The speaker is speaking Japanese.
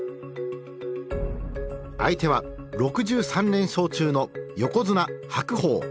相手は６３連勝中の横綱白鵬。